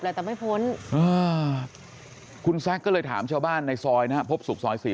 แล้วแต่ไม่พ้นคุณซักก็เลยถามชาวบ้านในซอยนะพบสุขซอยสี่